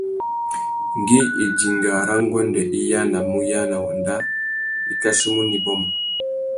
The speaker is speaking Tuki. Ngüi idinga râ nguêndê i yānamú uyāna wanda, i kachimú nà ibômô.